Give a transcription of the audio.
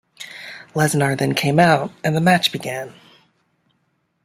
Lesnar then came out and the match began.